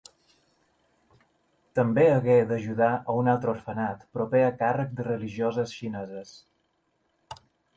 També hagué d'ajudar a un altre orfenat proper a càrrec de religioses xineses.